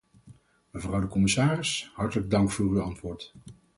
Mevrouw de commissaris, hartelijk dank voor uw antwoord.